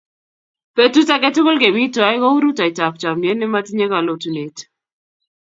Petut ake tukul kemi twai kou rutoitap chomyet ne matinye kalotunet.